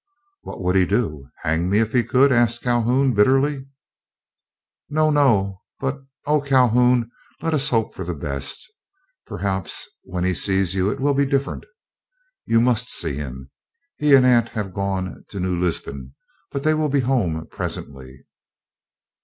"What would he do? Hang me, if he could?" asked Calhoun, bitterly. "No, no, but—oh, Calhoun, let us hope for the best. Perhaps when he sees you it will be different. You must see him. He and aunt have gone to New Lisbon; but they will be at home presently."